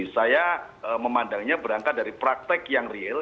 saya memandangnya berangkat dari praktek yang real